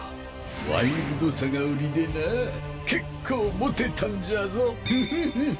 ワイルドさが売りでなぁ結構モテたんじゃぞフフフフ。